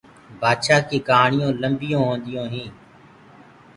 بآدڇآنٚ ڪيٚ ڪهآڻيونٚ لَميِ هونديونٚ هينٚ۔